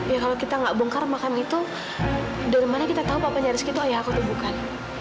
ya kalau kita gak bongkar makam itu dari mana kita tahu papa nyaris gitu ayah aku atau bukan